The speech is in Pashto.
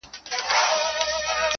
نه له ما سره غمی دی چا لیدلی-